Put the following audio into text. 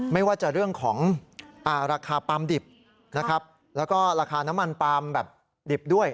ไม่ว่าจะเรื่องของราคาปลามดิบแล้วก็ราคาน้ำมันปลามดิบด้วย